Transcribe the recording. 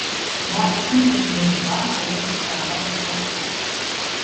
Nei iten kinst yn ús bar terjochte foar in lekker kopke kofje.